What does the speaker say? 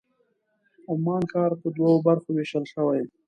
عمان ښار په دوو برخو وېشل شوی.